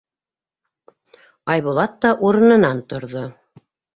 Айбулат та урынынан торҙо.